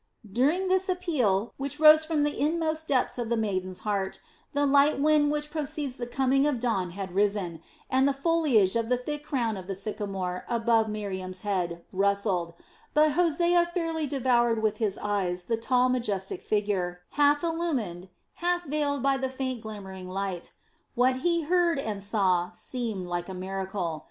During this appeal, which rose from the inmost depths of the maiden's heart, the light wind which precedes the coming of dawn had risen, and the foliage in the thick crown of the sycamore above Miriam's head rustled; but Hosea fairly devoured with his eyes the tall majestic figure, half illumined, half veiled by the faint glimmering light. What he heard and saw seemed like a miracle.